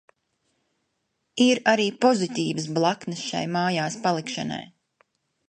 Ir arī pozitīvas blaknes šai mājās palikšanai.